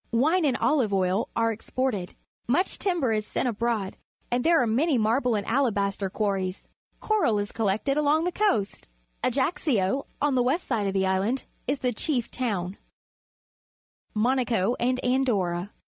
Wine and olive oil are exported. Much timber is sent abroad, and there are many marble and alabaster quarries. Coral is collected along the coast. Ajaccio, on the west side of the island, is the chief towni. Monaco and Andorra.